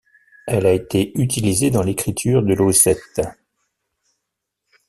Elle a été utilisée dans l’écriture de l’ossète.